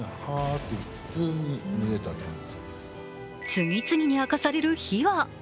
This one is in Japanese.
次々に明かされる秘話。